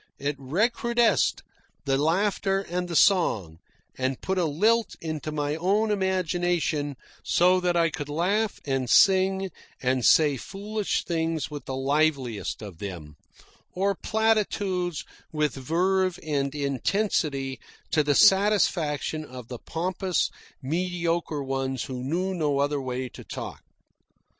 It recrudesced the laughter and the song, and put a lilt into my own imagination so that I could laugh and sing and say foolish things with the liveliest of them, or platitudes with verve and intensity to the satisfaction of the pompous mediocre ones who knew no other way to talk.